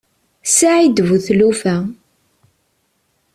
Saεid bu tlufa.